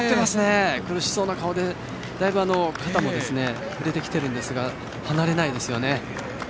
苦しそうな顔で、だいぶ肩も振れてきているんですが離れないですよね。